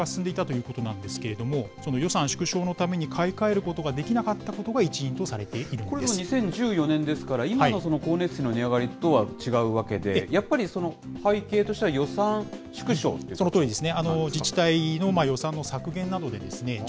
空調施設の老朽化が進んでいたということなんですけれども、その予算縮小のために買い替えることができなかったことが一因とされこれは、２０１４年ですから、今の光熱費の値上がりとは違うわけで、やっぱり背景としては予算そのとおりですね。